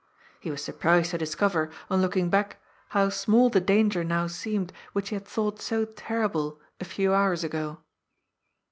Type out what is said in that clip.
He was sur prised to discover, on looking back, how small the danger now seemed which he had thought so terrible a few hours ago.